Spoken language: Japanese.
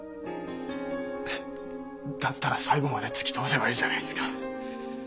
だったら最後までつき通せばいいじゃないですか。